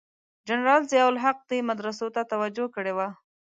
جنرال ضیأ الحق دې مدرسو ته توجه کړې وه.